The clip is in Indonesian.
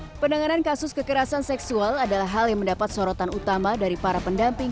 hai penanganan kasus kekerasan seksual adalah hal yang mendapat sorotan utama dari para pendamping